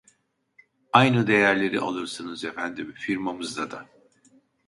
Aynı değerleri alırsınız efendim firmamızda da